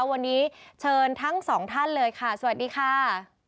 วันนี้เชิญทั้งสองท่านเลยค่ะสวัสดีค่ะ